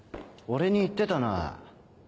俺に言ってたなぁ。